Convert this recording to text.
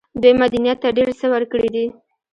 دوی مدنيت ته ډېر څه ورکړي دي.